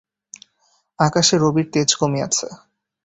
আকাশে রবির তেজ কমিয়াছে।